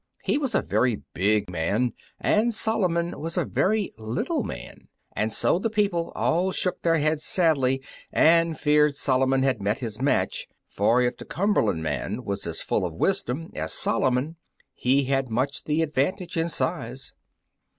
He was a very big man, and Solomon was a very little man, and so the people all shook their heads sadly and feared Solomon had met his match, for if the Cumberland man was as full of wisdom as Solomon, he had much the advantage in size.